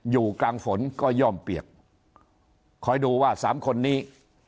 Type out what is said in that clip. อยู่กลางฝนก็ย่อมเปียกคอยดูว่าสามคนนี้